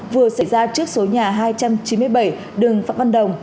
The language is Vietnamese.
vừa xảy ra trước số nhà hai trăm chín mươi bảy đường phạm văn đồng